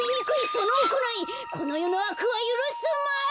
そのおこないこのよのあくはゆるすまじ！